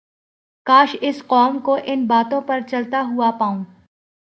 کاش اس قوم کو ان باتوں پر چلتا ھوا پاؤں